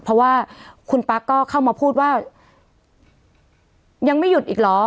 เพราะว่าคุณปั๊กก็เข้ามาพูดว่ายังไม่หยุดอีกเหรอ